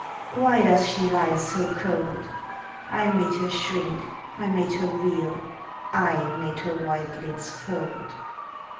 Why does she lie so cold? (I made her shrink, I made her reel, I made her white lids fold.)